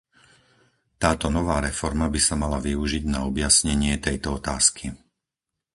Táto nová reforma by sa mala využiť na objasnenie tejto otázky.